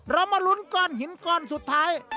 เรามาลุ้นก้อนหินก้อนสุดท้าย